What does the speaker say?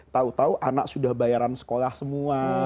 tahu tahu anak sudah bayaran sekolah semua